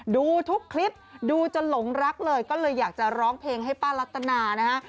ดูทุกคลิปดูจะหลงรักเลยก็เลยอยากจะร้องเพลงให้ป้ารัตนานะฮะ